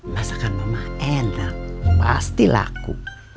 masakan mama enak pasti laku